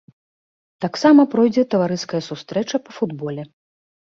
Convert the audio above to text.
Таксама пройдзе таварыская сустрэча па футболе.